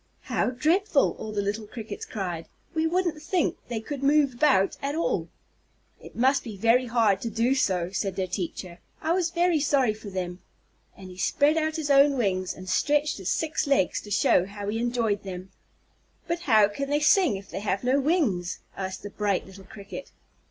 "How dreadful!" all the little Crickets cried. "We wouldn't think they could move about at all." "It must be very hard to do so," said their teacher; "I was very sorry for them," and he spread out his own wings and stretched his six legs to show how he enjoyed them. "But how can they sing if they have no wings?" asked the bright little Cricket.